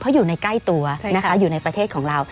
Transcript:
เขาอยู่ในใกล้ตัวนะคะอยู่ในประเทศของเรา